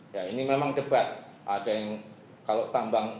ya ini memang debat ada yang kalau tambang